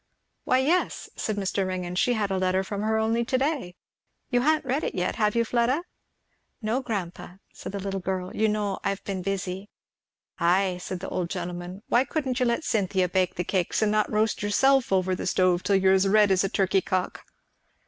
"Why yes," said Mr. Ringgan, "she had a letter from her only to day. You ha'n't read it yet, have you, Fleda?" "No grandpa," said the little girl; "you know I've been busy." "Ay," said the old gentleman; "why couldn't you let Cynthia bake the cakes, and not roast yourself over the stove till you're as red as a turkey cock?"